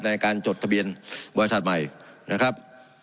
ในการจดทะเบียนบริษัทใหม่นะครับ